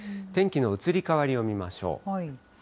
天気の移り変わりを見ましょう。